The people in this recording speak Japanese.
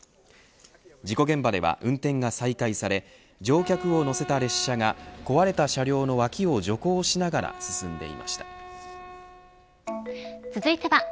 事故現場では運転が再開され乗客を乗せた列車が壊れた車両の脇を徐行しながら続いては、＃